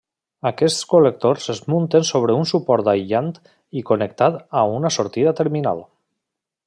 Aquests col·lectors es munten sobre un suport aïllant i connectat a una sortida terminal.